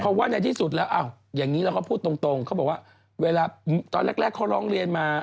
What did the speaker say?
เพราะว่าในที่สุดแล้วอย่างนี้เราก็พูดตรงเขาบอกว่าเวลาตอนแรกเขาร้องเรียนมา